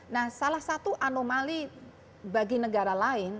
nah salah satu anomali bagi negara lain